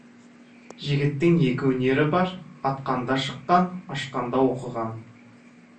Жігіттің екі өнері бар: атқанда жыққан, ашқанда оқыған.